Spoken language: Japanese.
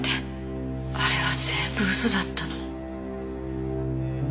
あれは全部嘘だったの？